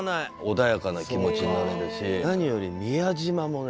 穏やかな気持ちになれるし何より宮島もね。